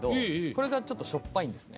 これがちょっとしょっぱいんです。